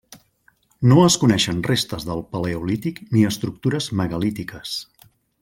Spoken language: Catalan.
No es coneixen restes del paleolític ni estructures megalítiques.